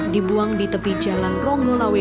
dibuang di tepi jalan ronggolawe